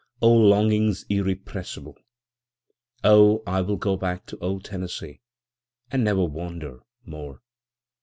O longings irrepressible! O I will go back to old Tennessee, and never wander more!